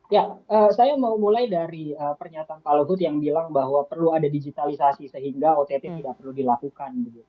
ya saya mau mulai dari pernyataan pak luhut yang bilang bahwa perlu ada digitalisasi sehingga ott tidak perlu dilakukan